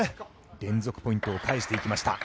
連続ポイントを返していきました。